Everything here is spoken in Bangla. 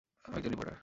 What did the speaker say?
আমি একজন রিপোর্টার।